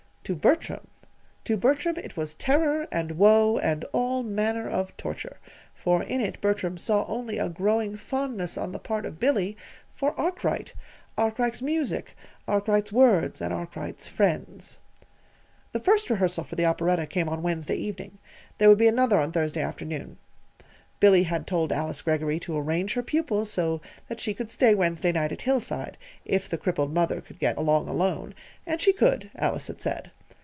To Bertram to Bertram it was terror, and woe, and all manner of torture; for in it Bertram saw only a growing fondness on the part of Billy for Arkwright, Arkwright's music, Arkwright's words, and Arkwright's friends. The first rehearsal for the operetta came on Wednesday evening. There would be another on Thursday afternoon. Billy had told Alice Greggory to arrange her pupils so that she could stay Wednesday night at Hillside, if the crippled mother could get along alone and she could, Alice had said.